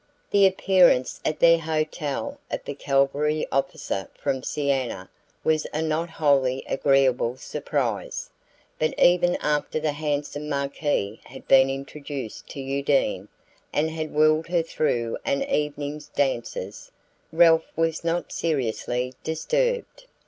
The appearance at their hotel of the cavalry officer from Siena was a not wholly agreeable surprise; but even after the handsome Marquis had been introduced to Undine, and had whirled her through an evening's dances, Ralph was not seriously disturbed.